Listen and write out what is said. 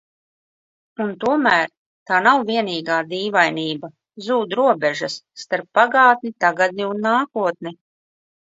Un tomēr – tā nav vienīgā dīvainība. Zūd robežas starp pagātni, tagadni un nākotni.